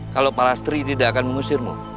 kalau pak lastri tidak akan mengusirmu